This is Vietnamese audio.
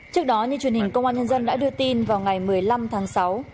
trước đó như truyền hình công an nhân dân đã đưa tin vào ngày một mươi năm tháng sáu